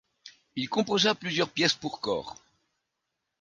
Il composa plusieurs pièces pour cor.